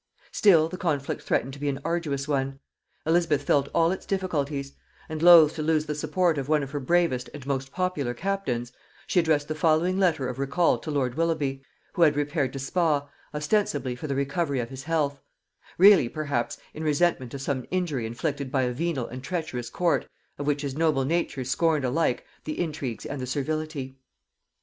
Still the conflict threatened to be an arduous one: Elizabeth felt all its difficulties; and loth to lose the support of one of her bravest and most popular captains, she addressed the following letter of recall to lord Willoughby, who had repaired to Spa ostensibly for the recovery of his health; really, perhaps, in resentment of some injury inflicted by a venal and treacherous court, of which his noble nature scorned alike the intrigues and the servility.